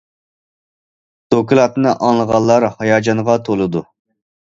دوكلاتنى ئاڭلىغانلار ھاياجانغا تولىدۇ.